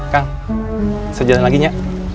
kang sejalan lagi nya